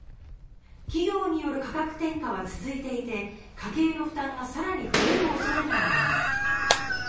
企業による価格転嫁は続いていて家計の負担が更に増える恐れがあります。